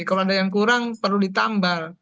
kalau ada yang kurang perlu ditambal